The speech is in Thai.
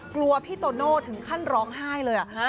กลัวพี่โตโน่ถึงคั่นร้องไห้เลยอะ